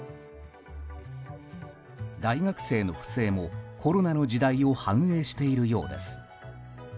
大学生の不正もコロナの時代を反映しているようです。